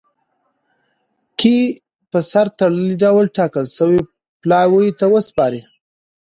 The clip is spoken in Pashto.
کي په سر تړلي ډول ټاکل سوي پلاوي ته وسپاري.